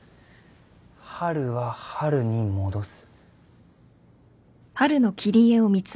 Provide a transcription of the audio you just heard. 春は春に戻す。